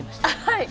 「はい。